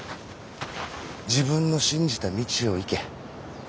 自分の信じた道を行け。